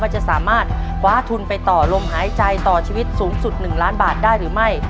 จะสามารถคว้าทุนไปต่อลมหายใจต่อชีวิตสูงสุด๑ล้านบาทได้หรือไม่